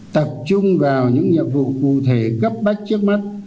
tập trung vào những nhiệm vụ cụ thể cấp bách trước mắt